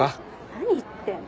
何言ってんの？